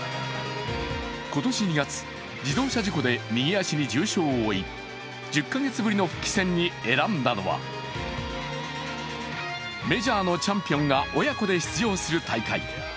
今年２月、自動車事故で右足に重傷を負い１０カ月ぶりの復帰戦に選んだのはメジャーのチャンピオンが親子で出場する大会。